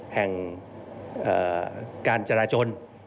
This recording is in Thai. แห่งการจราจน